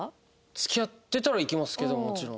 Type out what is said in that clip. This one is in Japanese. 付き合ってたら行きますけどもちろん。